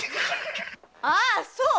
ああそう！